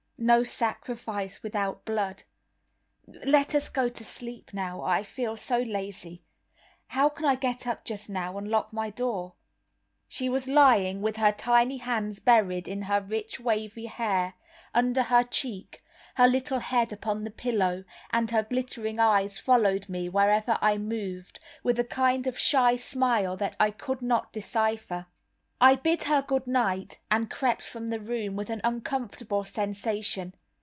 No sacrifice without blood. Let us go to sleep now; I feel so lazy. How can I get up just now and lock my door?" She was lying with her tiny hands buried in her rich wavy hair, under her cheek, her little head upon the pillow, and her glittering eyes followed me wherever I moved, with a kind of shy smile that I could not decipher. I bid her good night, and crept from the room with an uncomfortable sensation.